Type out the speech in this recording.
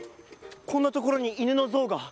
こんなところにいぬのぞうが！